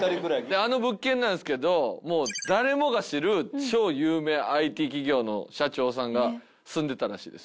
あの物件なんすけど誰もが知る超有名ＩＴ企業の社長さんが住んでたらしいですよ。